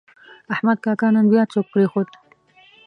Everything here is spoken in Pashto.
محمود کاکا نن بیا څوک پرېښود.